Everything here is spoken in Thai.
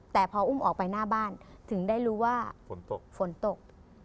แต่พออุ้มออกไปหน้าบ้านถึงได้รู้ว่าฝนตกฝนตก